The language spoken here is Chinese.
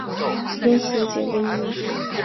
因此解唯一。